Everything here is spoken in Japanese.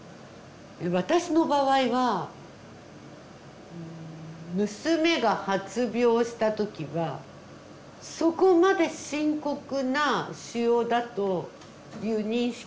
私の場合は娘が発病した時はそこまで深刻な腫瘍だという認識がなかったんです。